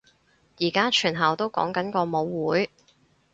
而家全校都講緊個舞會